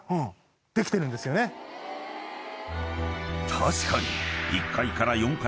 ［確かに］